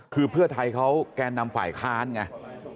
คือเพื่อไทยเขาแกนนำฝ่ายค้านไง